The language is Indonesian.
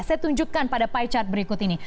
saya tunjukkan pada pie chart berikut ini